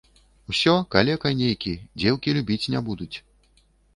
Усё, калека нейкі, дзеўкі любіць не будуць.